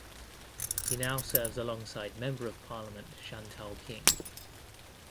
He now serves alongside Member of Parliament Chantel King.